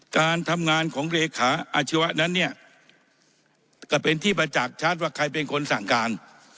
การทำงานของเลขาอาชีวะนั้นเนี่ยก็เป็นที่ประจักษ์ชัดว่าใครเป็นคนสั่งการ